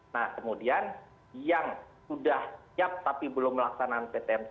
nah kemudian yang sudah siap tapi belum melaksanakan ptm